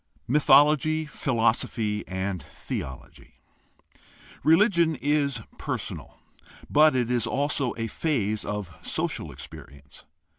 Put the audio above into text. Mythology, philosophy, and theology. — Religion is per sonal, but it is also a phase of social experience.